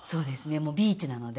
もうビーチなので。